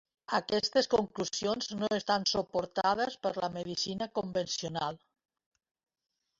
Aquestes conclusions no estan suportades per la medicina convencional.